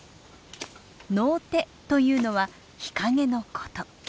陰手というのは日陰のこと。